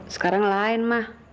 sekarang lain ma